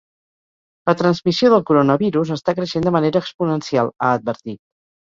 La transmissió del coronavirus està creixent de manera exponencial, ha advertit.